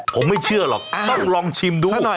ผมไม่เชื่อหรอกต้องลองชิมดู